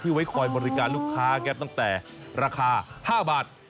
ไว้คอยบริการลูกค้าครับตั้งแต่ราคา๕บาท